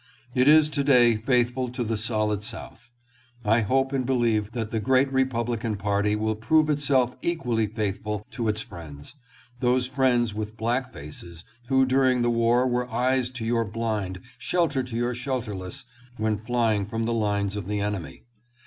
It is to day faithful to the solid South. I hope and believe that the great Republican party will prove itself equally faithful to its friends, those friends with black faces who during the war were eyes to your blind, shelter to your shelterless, when flying from the lines of the enemy.